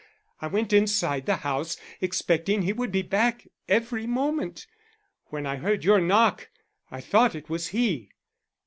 I went inside the house, expecting he would be back every moment. When I heard your knock I thought it was he."